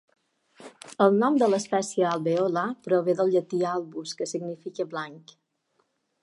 El nom de l'espècie "albeola" prové del llatí "albus", que significa "blanc".